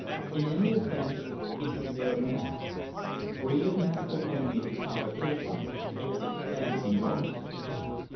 _ _In any event, it was there now. Free of natural enemies and competition, it had expanded enormously.